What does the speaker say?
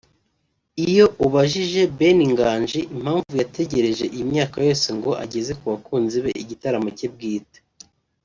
Iyo ubajije Ben Nganji impamvu yategereje iyi myaka yose ngo ageze ku bakunzi be igitaramo cye bwite